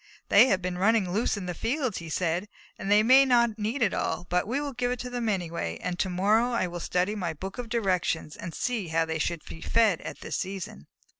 "They have been running loose in the fields," he said, "and they may not need it all, but we will give it to them anyway, and to morrow I will study my book of directions and see how they should be fed at this season."